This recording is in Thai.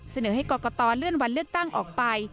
เสนอให้กรกตเลื่อนวันเลือกตั้งออกไป